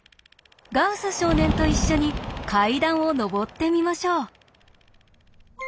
ガウス少年と一緒に階段を上ってみましょう。